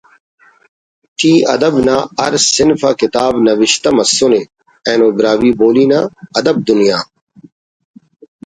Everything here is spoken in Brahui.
ٹی ادب نا ہر صنف آ کتاب نوشتہ مسنے اینو براہوئی بولی نا ادب دنیا